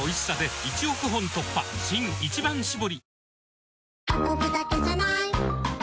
新「一番搾り」